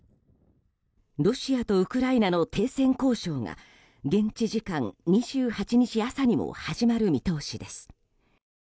ロシアとウクライナの停戦交渉が現地時間２８日朝にも始まる見通しです。